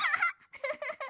フフフッ。